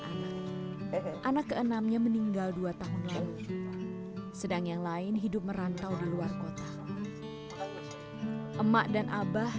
anak anak keenamnya meninggal dua tahun lalu sedang yang lain hidup merantau di luar kota emak dan abah